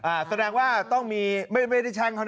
แสดงว่าต้องมีไม่ได้แช่งเขานะ